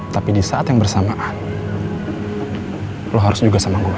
tapi di saat yang bersamaan lo harus juga sama gue